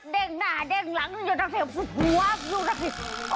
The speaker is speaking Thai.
เด่งหน้าเด่งหลังหัวอยู่ตรงนี้ตรงนี้